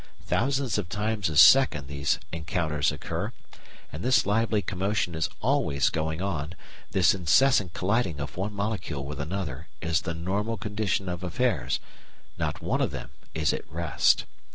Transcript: Thousands of times a second these encounters occur, and this lively commotion is always going on, this incessant colliding of one molecule with another is the normal condition of affairs; not one of them is at rest.